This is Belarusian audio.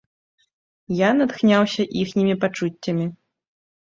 Я натхняўся іхнімі пачуццямі.